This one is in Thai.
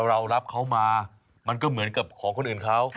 เรารับเขามามันก็เหมือนกับของคนอื่นเขา